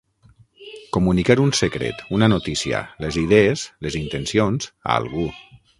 Comunicar un secret, una notícia, les idees, les intencions, a algú.